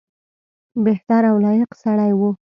بهتر او لایق سړی وو.